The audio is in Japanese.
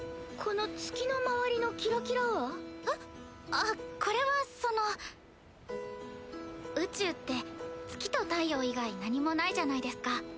あっこれはその宇宙って月と太陽以外何もないじゃないですか。